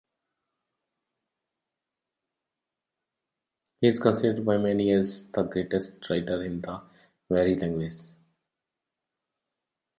He is considered by many as the greatest writer in the Waray language.